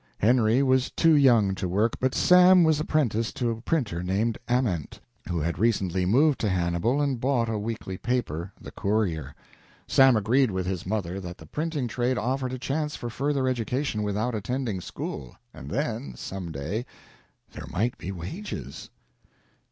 Henry was too young to work, but Sam was apprenticed to a printer named Ament, who had recently moved to Hannibal and bought a weekly paper, "The Courier." Sam agreed with his mother that the printing trade offered a chance for further education without attending school, and then, some day, there might be wages.